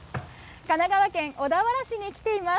神奈川県小田原市に来ています。